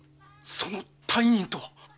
その大任とは？